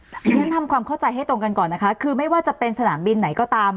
เดี๋ยวฉันทำความเข้าใจให้ตรงกันก่อนนะคะคือไม่ว่าจะเป็นสนามบินไหนก็ตาม